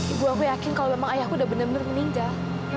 ibu aku yakin kalau memang ayahku udah benar benar meninggal